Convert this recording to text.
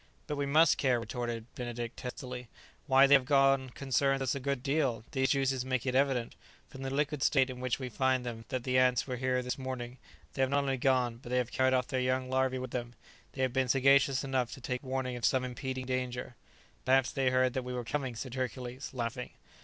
"But we must care," retorted Benedict testily; "why they have gone concerns us a good deal; these juices make it evident, from the liquid state in which we find them, that the ants were here this morning, they have not only gone, but they have carried off their young larvae with them; they have been sagacious enough to take warning of some impending danger." "Perhaps they heard that we were coming," said Hercules, laughing.